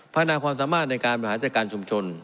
พัฒนาความสามารถในการบริหารจัดการชุมชน